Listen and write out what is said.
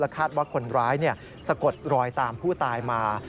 คาดว่าคนร้ายสะกดรอยตามผู้ตายมา